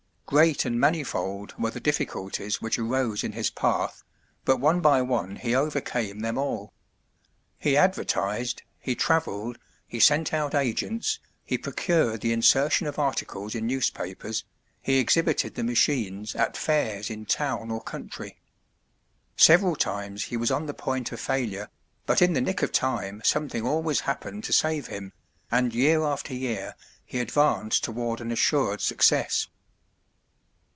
"Great and manifold were the difficulties which arose in his path, but one by one he overcame them all. He advertised, he traveled, he sent out agents, he procured the insertion of articles in newspapers, he exhibited the machines at fairs in town or country. Several times he was on the point of failure, but in the nick of time something always happened to save him, and year after year he advanced toward an assured success.